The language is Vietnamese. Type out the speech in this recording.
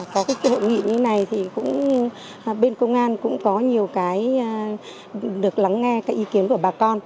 các hội nghị như này thì bên công an cũng có nhiều cái được lắng nghe cái ý kiến của bà con